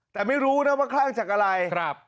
แต่ไม่รู้นะว่าคลั่งจากอะไร